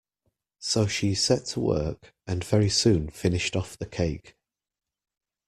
So she set to work, and very soon finished off the cake.